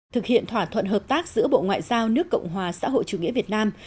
thực hiện thỏa thuận hợp tác giữa bộ ngoại giao nước cộng hòa xã hội chủ nghĩa việt nam